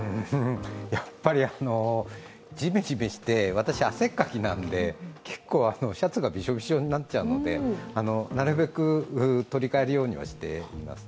やっぱりジメジメして、私、汗っかきなので結構、シャツがびしょびしょになっちゃうのでなるべく、取り替えるようにはしています。